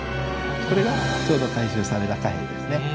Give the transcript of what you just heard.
これがちょうど回収された貨幣ですね。